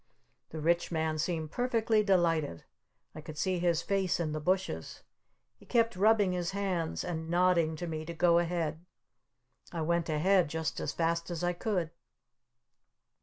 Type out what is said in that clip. The Rich Man seemed perfectly delighted. I could see his face in the bushes. He kept rubbing his hands! And nodding to me to go ahead! I went ahead just as fast as I could.